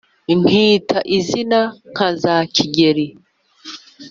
Nkita izi nka za Kigeli,